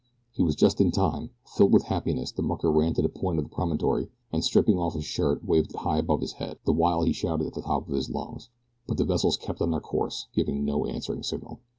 He was just in time! Filled with happiness the mucker ran to the point of the promontory and stripping off his shirt waved it high above his head, the while he shouted at the top of his lungs; but the vessels kept on their course, giving no answering signal.